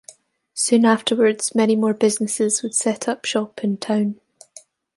Soon afterwards, many more businesses would set up shop in town.